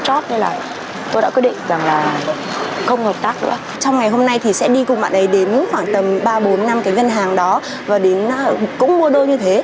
trong ngày hôm nay thì sẽ đi cùng bạn ấy đến khoảng tầm ba bốn năm cái ngân hàng đó và đến cũng mua đô như thế